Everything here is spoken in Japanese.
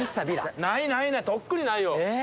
ないない、とっくにないよ。